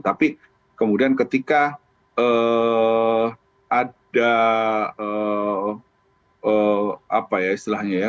tapi kemudian ketika ada apa ya istilahnya ya